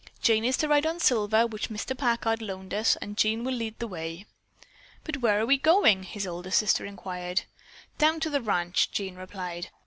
Jane is to ride on Silver, which Mr. Packard loaned us, and Jean will lead the way." "But where are we going?" his older sister inquired. "Down to the ranch," Jean replied.